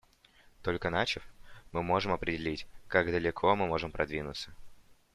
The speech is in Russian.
Только начав, мы можем определить, как далеко мы можем продвинуться.